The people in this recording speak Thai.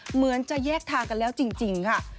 เหมือนจะแยกทางกันแล้วจริงค่ะ